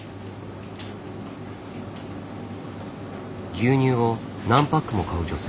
牛乳を何パックも買う女性。